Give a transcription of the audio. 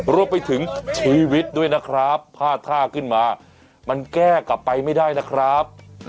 รวมไปถึงชีวิตด้วยนะครับพลาดท่าขึ้นมามันแก้กลับไปไม่ได้นะครับ